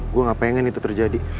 gua ga pengen itu terjadi